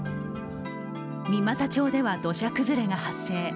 三股町では土砂崩れが発生。